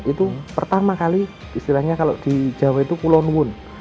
itu pertama kali istilahnya kalau di jawa itu kulonwun